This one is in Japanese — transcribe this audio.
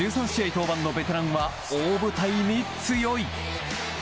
登板のベテランは大舞台に強い。